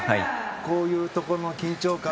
こういうところの緊張感